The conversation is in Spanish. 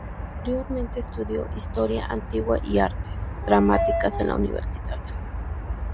Posteriormente estudió historia antigua y artes dramáticas en la universidad.